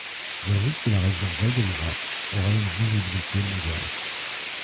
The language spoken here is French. J’ajoute que la région Val-de-Loire aurait une visibilité mondiale.